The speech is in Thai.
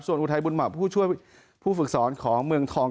ส่วนอุทัยบุญมาผู้ช่วยผู้ฝึกสอนของเมืองทอง